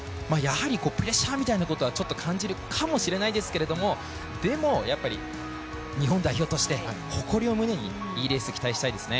プレッシャーみたいなことは感じるかもしれないんですけれども、でも、日本代表としてほこりを胸にいいレースを期待したいですね。